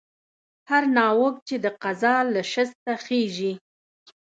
هر ناوک چې د قضا له شسته خېژي.